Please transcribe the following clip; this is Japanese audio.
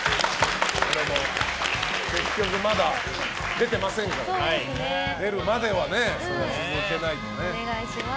結局まだ出ていませんから出るまでは続けないとね。